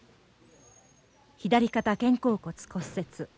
左肩肩甲骨骨折。